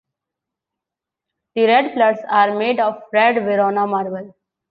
The red pillars are made of red Verona marble.